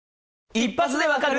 『一発でわかる！